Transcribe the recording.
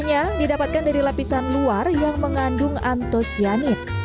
beras merah didapatkan dari lapisan luar yang mengandung antosianin